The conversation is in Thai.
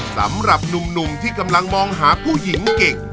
สำหรับหนุ่มที่กำลังมองหาผู้หญิงเก่ง